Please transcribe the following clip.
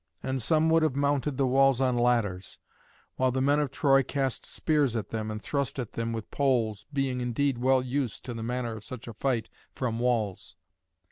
And some would have mounted the walls on ladders; while the men of Troy cast spears at them and thrust at them with poles, being indeed well used to the manner of such a fight from walls.